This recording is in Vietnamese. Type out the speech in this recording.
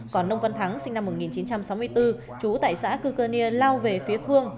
còn nông văn thắng sinh năm một nghìn chín trăm sáu mươi bốn trú tại xã cư cơ nia lao về phía phương